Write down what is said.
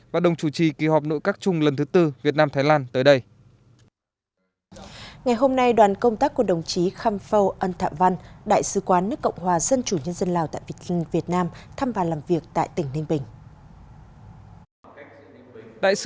và đồng chủ trì kỳ họp nội các chung lần thứ tư việt nam thái lan tới đây